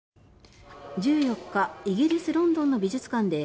１４日イギリス・ロンドンの美術館で